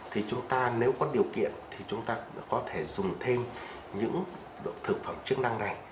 thì chúng ta nếu có điều kiện thì chúng ta có thể dùng thêm những thực phẩm chức năng này